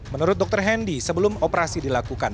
menurut dokter hendi sebelum operasi dilakukan